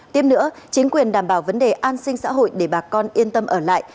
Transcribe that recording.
tiếp nữa chính quyền đảm bảo vấn đề an sinh xã hội để bà con yên tâm ở lại